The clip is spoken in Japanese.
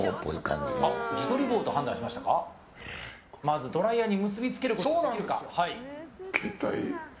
まずドライヤーに結びつけることができるか。